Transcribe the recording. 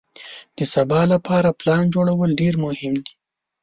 د سبا لپاره پلان جوړول ډېر مهم دي.